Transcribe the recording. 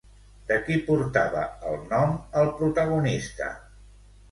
De qui portava el nom el protagonista?